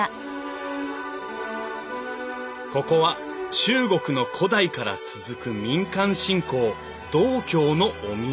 ここは中国の古代から続く民間信仰道教のお宮。